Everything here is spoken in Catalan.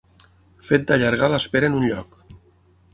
Fet d'allargar l'espera en un lloc.